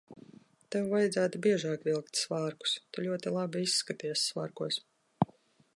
Tev vajadzētu biežāk vilkt svārkus. Tu ļoti labi izskaties svārkos.